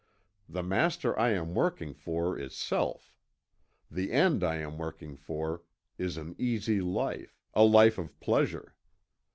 The master I am working for is Self; the end I am working for is an easy life, a life of pleasure.